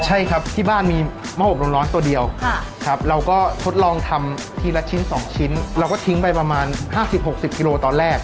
ใช่ครับที่บ้านมีหม้ออบร้อนตัวเดียวครับเราก็ทดลองทำทีละชิ้น๒ชิ้นเราก็ทิ้งไปประมาณ๕๐๖๐กิโลตอนแรก